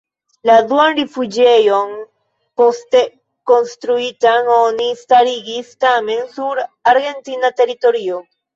La duan rifuĝejon, poste konstruitan, oni starigis tamen sur argentina teritorio.